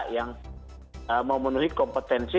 yang memenuhi kompetensi